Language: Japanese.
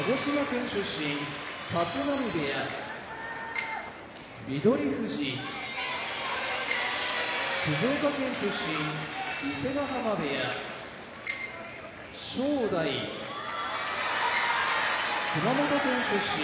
立浪部屋翠富士静岡県出身伊勢ヶ濱部屋正代熊本県出身